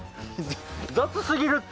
雑過ぎるって。